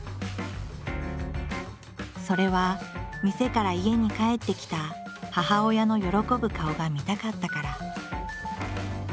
それは店から家に帰ってきた母親の喜ぶ顔が見たかったから。